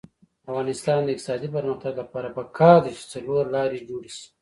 د افغانستان د اقتصادي پرمختګ لپاره پکار ده چې څلورلارې جوړې شي.